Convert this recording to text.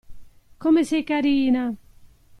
Come sei carina!